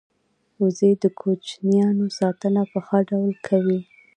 وزې د کوچنیانو ساتنه په ښه ډول کوي